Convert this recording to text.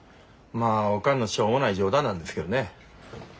まあおかんのしょうもない冗談なんですけどね。